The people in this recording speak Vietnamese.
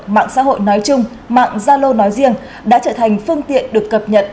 mạng xã hội nói chung mạng gia lô nói riêng đã trở thành phương tiện được cập nhật